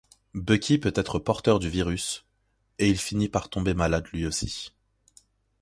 Bucky peut être porteur du virus et il finit par tomber malade lui aussi.